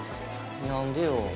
何でよ